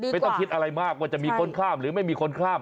ไม่ต้องคิดอะไรมากว่าจะมีคนข้ามหรือไม่มีคนข้าม